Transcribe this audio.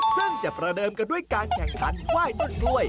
ซึ่งจะประเดิมกันด้วยการแข่งขันไหว้ต้นกล้วย